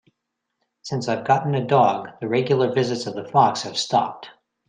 Since I've gotten a dog, the regular visits of the fox have stopped.